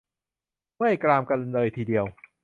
เมื่อยกรามกันเลยทีเดียว !